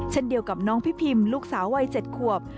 เช่นเดียวกับน้องพี่พิมลูกสาววัย๗ขวบ